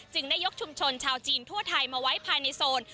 ได้ยกชุมชนชาวจีนทั่วไทยมาไว้ภายในโซน